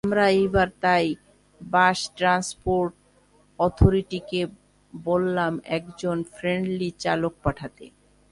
আমরা এবার তাই বাস ট্রান্সপোর্ট অথোরিটিকে বললাম একজন ফ্রেন্ডলি চালক পাঠাতে।